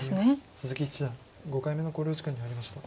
鈴木七段５回目の考慮時間に入りました。